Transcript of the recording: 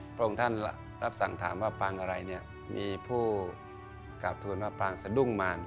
พระองค์ท่านรับสั่งถามว่าปางอะไรเนี่ยมีผู้กราบทวนว่าปรางสะดุ้งมาร